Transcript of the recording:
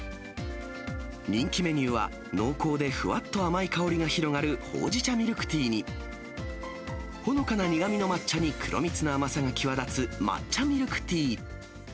人気メニューは、濃厚でふわっと甘い香りが広がるほうじ茶ミルクティーに、ほのかな苦みの抹茶に黒蜜の甘さが際立つ抹茶ミルクティー。